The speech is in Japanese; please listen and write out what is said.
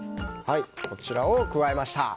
こちらを加えました。